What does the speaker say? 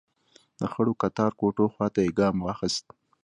د خړو کتار کوټو خواته يې ګام واخيست.